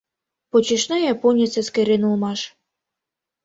— Почешна японец эскерен улмаш.